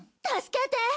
助けて！